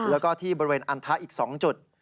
แล้วก็ที่บริเวณอันทะอีก๒จุด